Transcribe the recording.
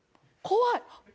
怖い。